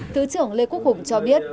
thứ trưởng lê quốc hùng cho biết